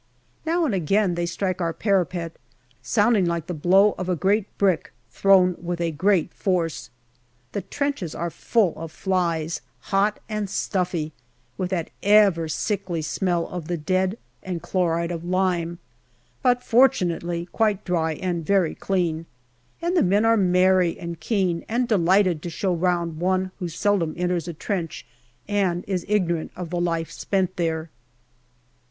Now and again they strike our parapet, sounding like the blow of a great brick thrown with a great force. The trenches are full of flies, hot and stuffy, with ever that sickly smell of the dead and chloride of lime, but fortunately quite dry and very clean. And the men are merry and keen, and delighted to show round one who seldom enters a trench and is ignorant of the life spent there.